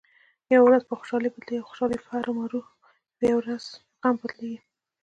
یوه ورځ په خوشحالۍ بدلېږي او خوشحالي به هرومرو یوه ورځ په غم بدلېږې.